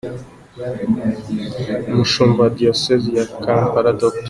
Umushumba wa Diyosezi ya Kampala Dr.